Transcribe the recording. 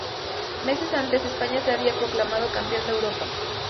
Meses antes, España se había proclamado campeón de Europa.